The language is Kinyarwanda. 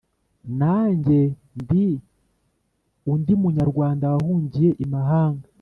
nanjye, ndi undi munyarwanda wahungiye imahanga